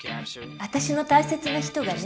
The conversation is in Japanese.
私の大切な人がね。